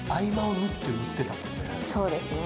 そうですね。